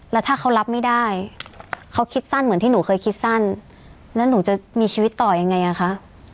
แล้วถ้าเขารับไม่ได้เขาคิดสั้นเหมือนที่หนูเคยคิดสั้นแล้วหนูจะมีชีวิตต่อยังไงอ่ะคะ